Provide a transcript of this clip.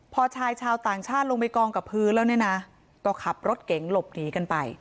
พอชายชาวต่างชาติลงไปกองกับพื้นแล้วเนี่ยนะก็ขับรถเก๋งหลบหนีกันไป